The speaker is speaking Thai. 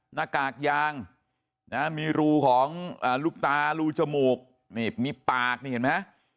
หน้ากากยางนะมีรูของลูกตารูจมูกนี่มีปากนี่เห็นไหม